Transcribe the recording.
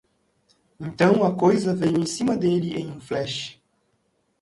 Então a coisa veio em cima dele em um flash.